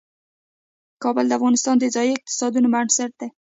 کابل د افغانستان د ځایي اقتصادونو بنسټ دی.